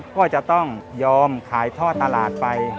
ก็จะต้องยอมขายท่อตลาดไป